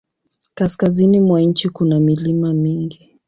Kaskazini mwa nchi kuna milima mingi.